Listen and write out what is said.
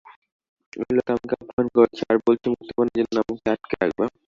এই লোক আমাকে অপহরণ করেছে, আর বলছে মুক্তিপণের জন্য আমাকে আটকে রাখবে।